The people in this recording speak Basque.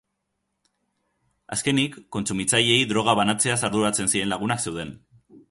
Azkenik, kontsumitzaileei droga banatzeaz arduratzen ziren lagunak zeuden.